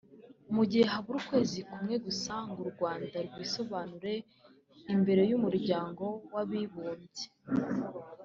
Mu gihe habura ukwezi kumwe gusa ngo u Rwanda rwisobanure imbere y’umuryango w’abibumbye